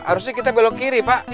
harusnya kita belok kiri pak